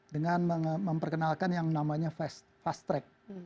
dengan memperkenalkan yang namanya fast track